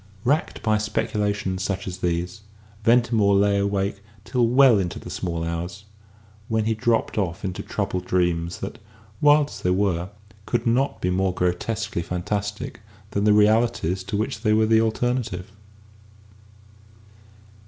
Racked by speculations such as these, Ventimore lay awake till well into the small hours, when he dropped off into troubled dreams that, wild as they were, could not be more grotesquely fantastic than the realities to which they were the alternative.